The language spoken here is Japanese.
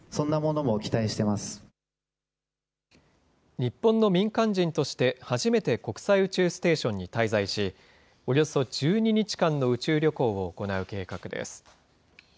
日本の民間人として初めて国際宇宙ステーションに滞在し、およそ１２日間の宇宙旅行を行う計画です。